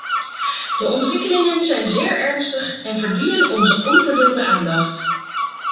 De ontwikkelingen zijn zeer ernstig en verdienen onze onverdeelde aandacht.